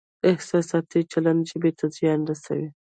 احساساتي چلند ژبې ته زیان رسوي.